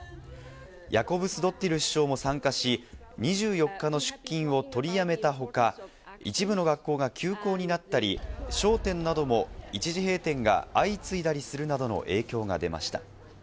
ヤコブスドッティル首相も参加し、２４日の出勤を取りやめた他、一部の学校が休校になったり、商店なども一時閉店が相次いだりするなどの影響が出ました。